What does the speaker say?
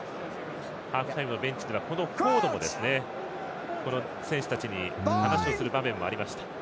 ハーフタイムのベンチではこのフォードも選手たちに話をする場面もありました。